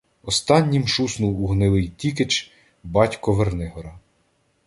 Останнім шуснув у Гнилий Тікич "батько Вернигора".